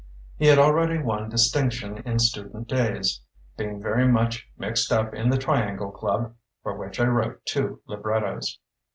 He had already won distinction in student days, "being very much mixed up in the Triangle Club, for which I wrote two librettos".